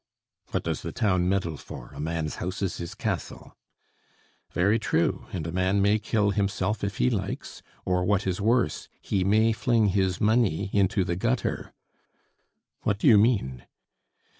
"What does the town meddle for? A man's house is his castle." "Very true; and a man may kill himself if he likes, or, what is worse, he may fling his money into the gutter." "What do you mean?"